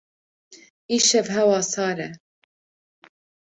Îşev hewa sar e.